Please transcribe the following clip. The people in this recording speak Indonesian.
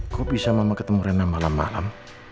kok bisa mama ketemu rena malem malem